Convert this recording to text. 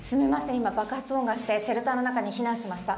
今、爆発音がして、シェルターの中に避難しました。